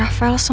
aduhh mati gue